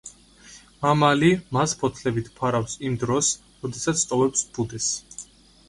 მამალი მას ფოთლებით ფარავს იმ დროს, როდესაც ტოვებს ბუდეს.